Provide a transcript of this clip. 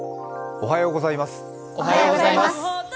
おはようございます。